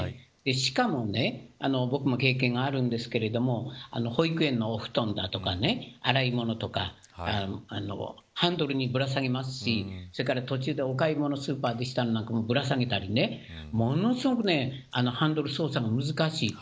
しかもね僕も経験があるんですけれども保育園のお布団だとか洗い物とかハンドルにぶら下げますしそれから途中にお買い物した物なんかをぶら下げたりものすごくハンドル操作が難しい。